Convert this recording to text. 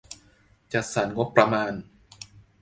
จัดสรรงบประมาณ